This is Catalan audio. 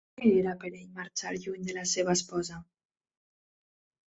Què era per ell marxar lluny de la seva esposa?